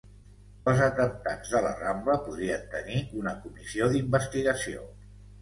Els atemptats de la rambla podrien tenir una comissió d'investigació